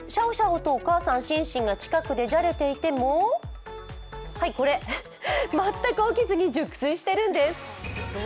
シャオシャオとお母さん、シンシンが近くでじゃれていてもはいこれ、全く起きずに熟睡しているんです。